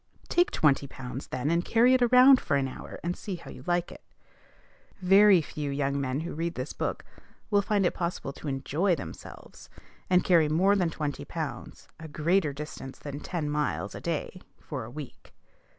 Take twenty pounds, then, and carry it around for an hour, and see how you like it. Very few young men who read this book will find it possible to enjoy themselves, and carry more than twenty pounds a greater distance than ten miles a day, for a week.